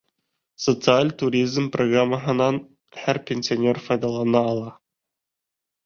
Социаль туризм программаһынан һәр пенсионер файҙалана ала.